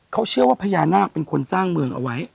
เขาเชื่อว่าพญานาคเป็นคนสร้างเมืองเอาไว้